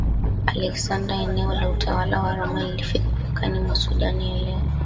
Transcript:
Aleksandria Eneo la utawala wa Roma lilifika mpakani mwa Sudani ya leo